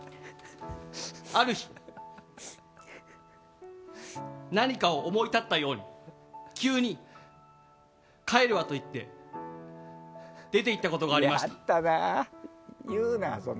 ある日何かを思い立ったように急に帰るわと言って出ていったことがありました。